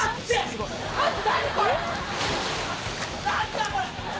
あっ！